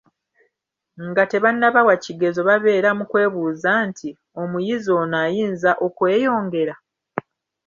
Nga tebannabawa kigezo babeera mu kwebuuza nti: Omuyizi ono ayinza okweyongera?